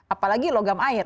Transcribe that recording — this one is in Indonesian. apalagi logam air